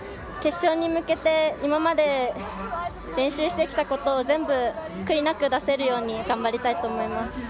決勝に向けて今まで練習してきたことを全部、悔いなく出せるよう頑張りたいと思います。